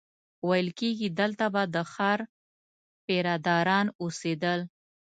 ویل کېږي دلته به د ښار پیره داران اوسېدل.